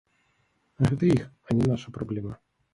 Гэта іх, а не наша праблема.